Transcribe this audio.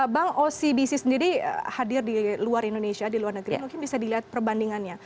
bank ocbc sendiri hadir di luar indonesia di luar negeri mungkin bisa dilihat perbandingannya